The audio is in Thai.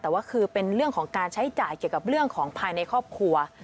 แต่ว่าคือเป็นเรื่องของการใช้จ่ายเกี่ยวกับเรื่องของภายในครอบครัว